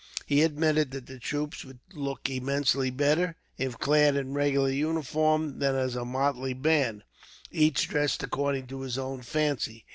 He admitted that the troops would look immensely better, if clad in regular uniform; than as a motley band, each dressed according to his own fancy.